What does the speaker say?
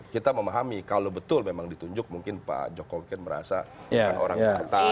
kita memahami kalau betul memang ditunjuk mungkin pak jokowkin merasa bukan orang yang pantai